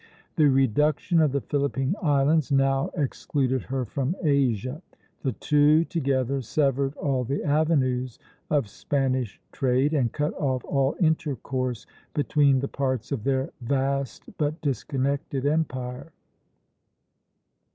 The reduction of the Philippine Islands now excluded her from Asia. The two together severed all the avenues of Spanish trade and cut off all intercourse between the parts of their vast but disconnected empire."